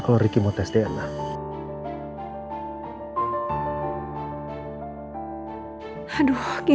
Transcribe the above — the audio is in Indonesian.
kalo terbukti gesya anak gue